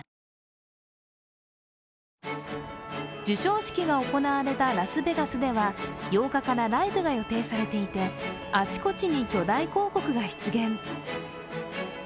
授賞式が行われたラスベガスでは８日からライブが予定されていてあちこちに巨大広告が出現。